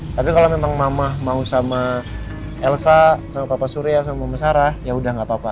tapi kalau memang mama mau sama elsa sama papa surya sama mama sarah ya udah gak apa apa